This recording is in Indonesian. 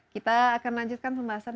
kita akan lanjutkan pembahasan